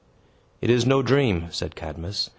"It is no dream," said Cadmus.